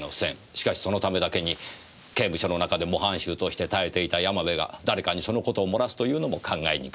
しかしそのためだけに刑務所の中で模範囚として耐えていた山部が誰かにそのことを漏らすというのも考えにくい。